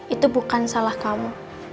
itu bukan salah kamu